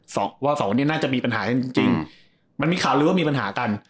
สองวันนี้น่าจะมีปัญหาตั้งเช่นมันมีข่าวเลยว่ามีปัญหากัน